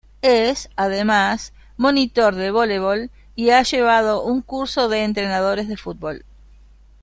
Es, además, monitor de vóleibol y ha llevado un Curso de Entrenadores de Fútbol.